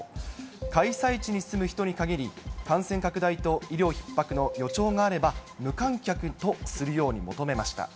開催地に住む人に限り、感染拡大と医療ひっ迫の予兆があれば、無観客とするように求めました。